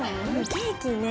ケーキね